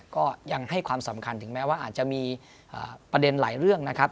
ก็ยังให้ความสำคัญถึงแม้ว่าอาจจะมีประเด็นหลายเรื่องนะครับ